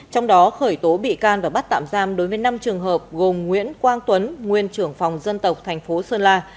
trong đó khởi tố bị can và bắt tạm giam đối với năm trường hợp gồm nguyễn quang tuấn nguyên trưởng phòng dân tộc thành phố sơn la